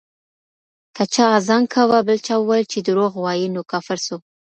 که چا اذان کاوه، بل چا وويل چي درواغ وايي، نو کافر سو